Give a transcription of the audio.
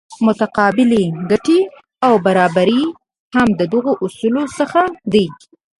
متقابلې ګټې او برابري هم د دغو اصولو څخه دي.